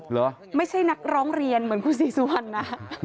ไม่ใช่นักร้องเรียนเหมือนคุณศรีสุวรรณนะ